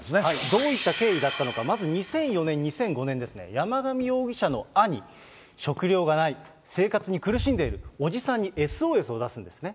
どういった経緯だったのか、まず２００４年、２００５年ですね、山上容疑者の兄、食料がない、生活に苦しんでいる、伯父さんにＳＯＳを出すんですね。